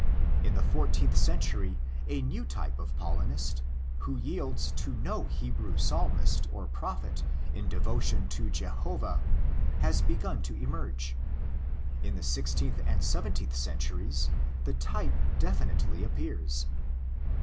In the fourteenth century a new type of Paulinist, who yields to no Hebrew psalmist or prophet in devotion to Jehovah, has begun to emerge; in the sixteenth and seventeenth centuries the type definitely appears.